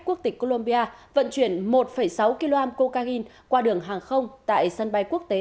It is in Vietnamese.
quốc tịch colombia vận chuyển một sáu kg cocaine qua đường hàng không tại sân bay quốc tế